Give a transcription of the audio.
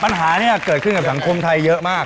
ปัญหานี้เกิดขึ้นกับสังคมไทยเยอะมาก